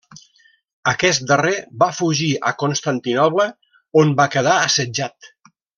Aquest darrer va fugir a Constantinoble on va quedar assetjat.